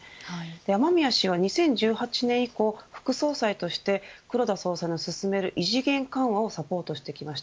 雨宮氏は２０１８年以降副総裁として、黒田総裁の進める異次元緩和をサポートしてきました。